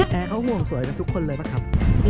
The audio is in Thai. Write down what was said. แกบอกว่ามีความสวยกับทุกคนเลยป่ะครับ